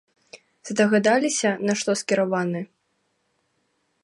Здагадаліся, на што скіраваны?